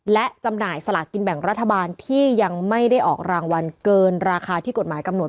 และจำหน่ายสลากกินแบ่งรัฐบาลที่ยังไม่ได้ออกรางวัลเกินราคาที่กฎหมายกำหนด